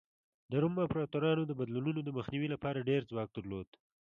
د روم امپراتورانو د بدلونونو د مخنیوي لپاره ډېر ځواک درلود